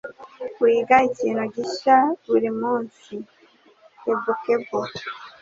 Wiga ikintu gishya buri munsi. (kebukebu)